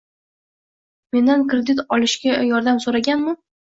Mendan kredit olishga yordam so`raganmi